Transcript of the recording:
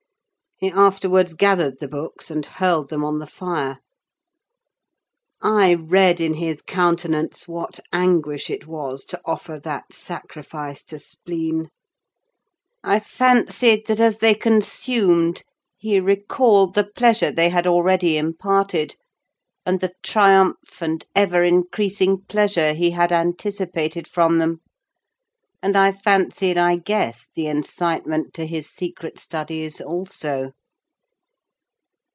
He afterwards gathered the books and hurled them on the fire. I read in his countenance what anguish it was to offer that sacrifice to spleen. I fancied that as they consumed, he recalled the pleasure they had already imparted, and the triumph and ever increasing pleasure he had anticipated from them; and I fancied I guessed the incitement to his secret studies also.